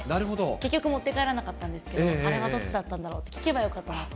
結局、持って帰らなかったんですけど、あれはどっちだったんだろうって、聞けばよかったなと。